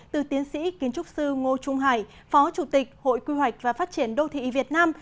từ tiến sĩ kiến trúc sư ngô trung hải phó chủ tịch hội quy hoạch và phát triển đô thị việt nam